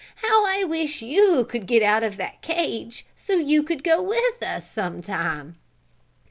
How I wish you could get out of that cage, so you could go with us sometime!"